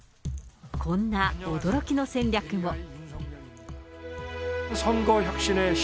こんな驚きの戦略も。